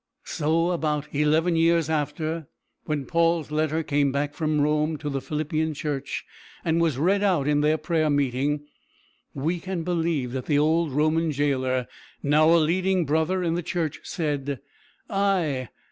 So, about eleven years after, when Paul's letter came back from Rome to the Philippian church and was read out in their prayer meeting, we can believe that the old Roman jailer, now a leading brother in the church, said, "Ay!